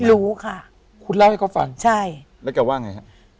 แล้วให้เขาฟัน